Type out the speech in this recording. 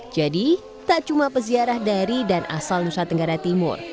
jadi tak cuma peziarah dari dan asal nusa tenggara timur